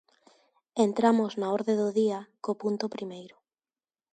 Entramos na orde do día co punto primeiro.